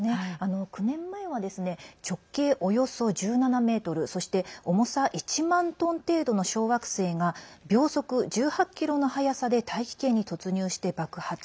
９年前は、直径およそ１７ｍそして重さ１万トン程度の小惑星が秒速１８キロの速さで大気圏に突入して爆発。